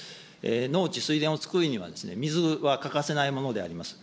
農地・水田をつくるには、水は欠かせないものであります。